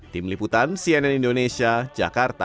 tim liputan cnn indonesia jakarta